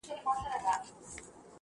څه ترخه ترخه راګورې څه تیاره تیاره ږغېږې